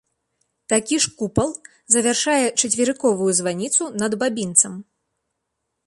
Такі ж купал завяршае чацверыковую званіцу над бабінцам.